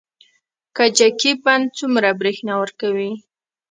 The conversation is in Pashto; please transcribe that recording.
کجکي بند څومره بریښنا ورکوي؟